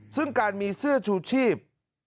ซึ่งการมีเสื้อชูชีพ